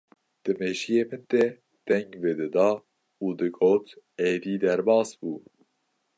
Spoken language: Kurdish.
di mêjiyê min de deng vedida û digot: Êdî derbas bû!